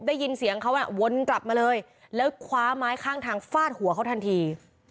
ได้ยินเสียงเขาอ่ะวนกลับมาเลยแล้วคว้าไม้ข้างทางฟาดหัวเขาทันที